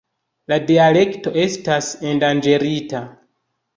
La dialekto estas endanĝerita.